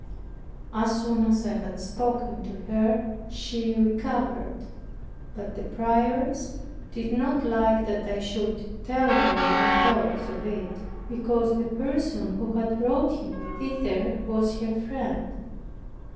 As soon as I had spoken to her she recovered. But the prioress did not like that I should tell her my thoughts of it, because the person who had brought her thither was her friend.